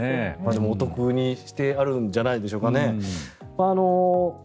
でもお得にしてるんじゃないでしょうかね。